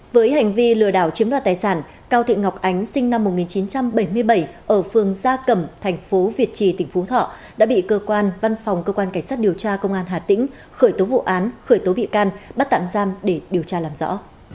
với hành vi lừa đảo chiếm đoạt tài sản cao thị ngọc ánh sinh năm một nghìn chín trăm bảy mươi bảy ở phường gia cẩm thành phố việt trì tỉnh phú thọ đã bị cơ quan văn phòng cơ quan cảnh sát điều tra công an hà tĩnh khởi tố vụ án khởi tố bị can bắt tạm giam để điều tra làm rõ